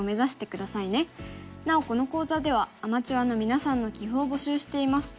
なおこの講座ではアマチュアのみなさんの棋譜を募集しています。